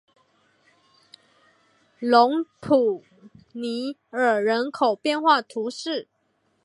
隆普尼厄人口变化图示